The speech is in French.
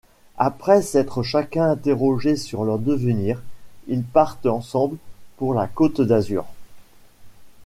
Après s’être chacun interrogé sur leur devenir, ils partent ensemble pour la Côte d'Azur.